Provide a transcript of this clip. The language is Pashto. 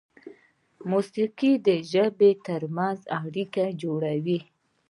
موسیقي د ژبو تر منځ اړیکه جوړوي.